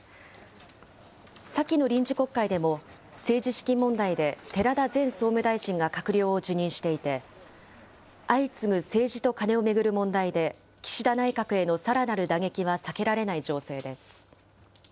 先の臨時国会でも、政治資金問題で寺田前総務大臣が閣僚を辞任していて、相次ぐ政治とカネを巡る問題で、岸田内閣へのさらなる打撃は避けられない情勢です。